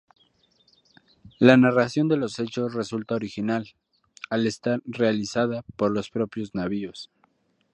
La narración de los hechos resulta original, al estar "realizada" por los propios navíos.